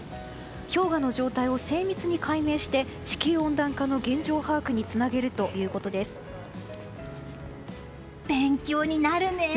氷河の状態を精密に解明して地球温暖化の現状把握に努める勉強になるね！